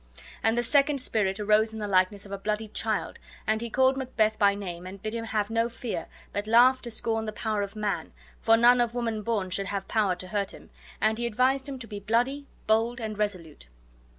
And the second spirit arose in the likeness of a bloody child, and he called Macbeth by name and bid him have no fear, but laugh to scorn the power of man, for none of woman born should have power to hurt him; and he advised him to be bloody, bold, and resolute.